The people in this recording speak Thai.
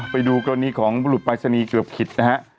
ไปดูกรณีของบุรุษปรายศนีย์เกือบขิดนะฮะ